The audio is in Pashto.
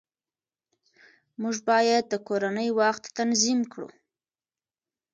موږ باید د کورنۍ وخت تنظیم کړو